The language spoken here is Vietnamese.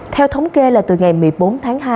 theo thống kê là từ ngày một mươi bốn tháng hai